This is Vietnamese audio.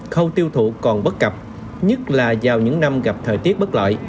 khâu tiêu thụ còn bất cập nhất là vào những năm gặp thời tiết bất lợi